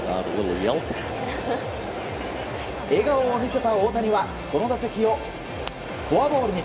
笑顔を見せた大谷はこの打席をフォアボールに。